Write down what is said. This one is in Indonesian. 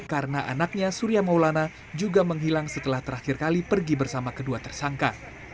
karena anaknya surya maulana juga menghilang setelah terakhir kali pergi bersama kedua tersangka